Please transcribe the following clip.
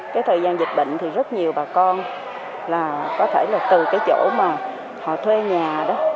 cái thời gian dịch bệnh thì rất nhiều bà con là có thể là từ cái chỗ mà họ thuê nhà đó